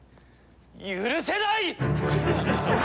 許せない！